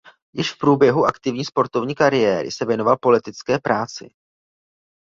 Již v průběhu aktivní sportovní kariéry se věnoval politické práci.